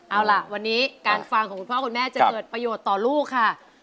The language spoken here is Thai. เอาล่ะวันนี้การฟังของคุณพ่อคุณแม่จะเกิดประโยชน์ต่อลูกค่ะ